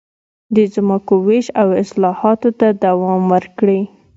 د ځمکو وېش او اصلاحاتو ته دوام ورکړي.